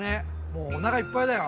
もうお腹いっぱいだよ。